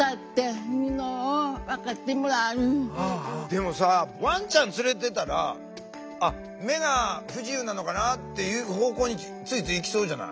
でもさワンちゃん連れてたら目が不自由なのかなっていう方向についついいきそうじゃない？